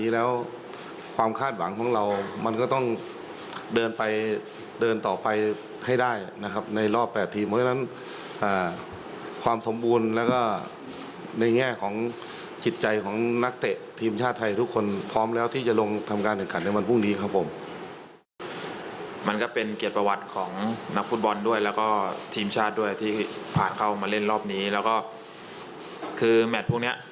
แล้วก็ทีมชาติด้วยที่ผ่านเข้ามาเล่นรอบนี้แล้วก็คือแมทพวกเนี้ย